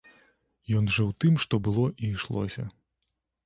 Ён жыў тым, што было і ішлося.